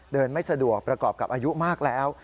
ไม่สะดวกประกอบกับอายุมากแล้ว